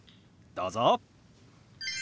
どうぞ。